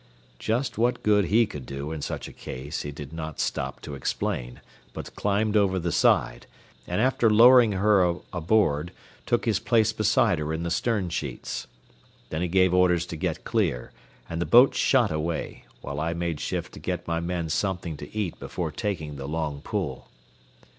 Just what good he could do in such a case he did not stop to explain, but climbed over the side, and after lowering her aboard, took his place beside her in the stern sheets. Then he gave orders to get clear, and the boat shot away, while I made shift to get my men something to eat before taking the long pull.